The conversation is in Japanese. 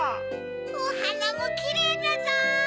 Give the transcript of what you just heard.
おはなもキレイだゾウ！